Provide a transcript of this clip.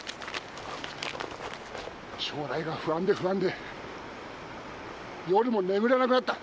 将来が不安で不安で夜も眠れなくなった。